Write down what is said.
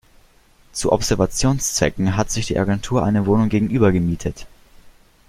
Zu Observationszwecken hat sich die Agentur eine Wohnung gegenüber gemietet.